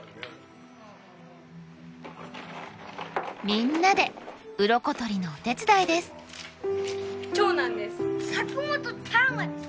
みんなでウロコ取りのお手伝いです。